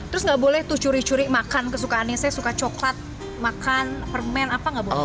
terus nggak boleh tuh curi curi makan kesukaannya saya suka coklat makan permen apa nggak boleh